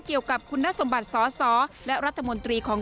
เกี่ยวกับคุณสมบัติสอสอและรัฐมนตรีของ